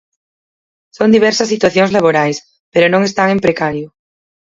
Son diversas situacións laborais, pero non están en precario.